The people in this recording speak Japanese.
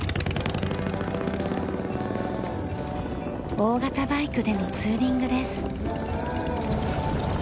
大型バイクでのツーリングです。